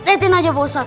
liatin aja pak ustadz